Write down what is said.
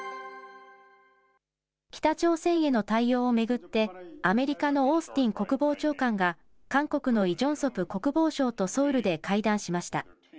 北朝鮮への対応を巡って、アメリカのオースティン国防長官が、韓国のイ・ジョンソプ国防相とソウルで会談しました。